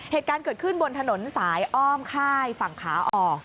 เหตุการณ์เกิดขึ้นบนถนนสายอ้อมค่ายฝั่งขาออก